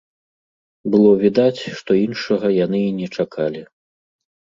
Было відаць, што іншага яны і не чакалі.